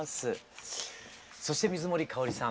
そして水森かおりさん